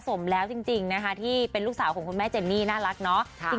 สมแล้วจริงนะคะที่เป็นลูกสาวของคุณแม่เจนนี่น่ารักเนาะ